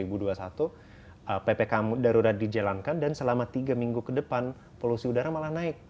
iya jadi kadang kadang ada juga angka di bulan juli dua ribu dua puluh satu ppkm darurat dijalankan dan selama tiga minggu ke depan polusi udara malah naik